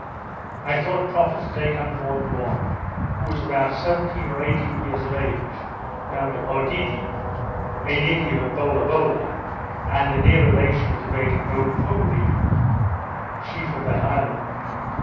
I thought proper to take on board one, who was about seventeen or eighteen years of age, named Oedidee, a native of Bolabola, and a near relation of the great Opoony, chief of that island.